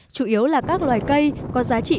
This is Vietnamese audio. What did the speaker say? chủ yếu là các loài cây có giá trị cơ sở